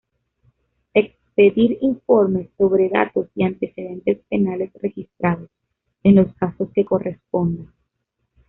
Expedir informes sobre datos y antecedentes penales registrados, en los casos que corresponda.